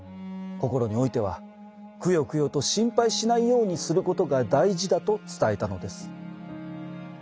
心においてはくよくよと心配しないようにすることが大事だと伝えたのです。